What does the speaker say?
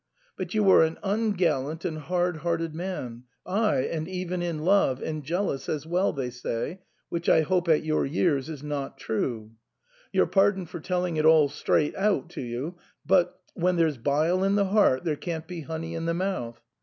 But you are an ungallant and hard hearted man, ay, and even in love, and jealous as well, they say, which I hope at your years is not true. Your pardon for telling you it all straight out, but chi ha nel petto fiele nonpuo sputar miele (when there's bile in the heart there can't be honey in the mouth).